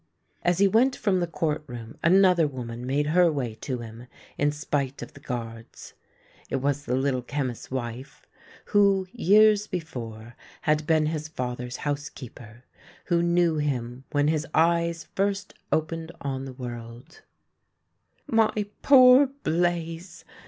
As he went from the court room another woman made her way to him in spite of the guards. It was the Little Chemist's wife who, years before, had been his father's housekeeper, who knew him when his eyes first opened on the world. 26o THE LANE THAT HAD NO TURNING " My poor Blaze